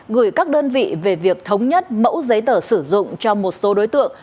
gửi các đơn vị về việc thống nhất mẫu giấy tờ sử dụng cho một số đối tượng